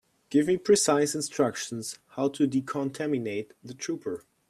Give me precise instructions how to decontaminate the trooper.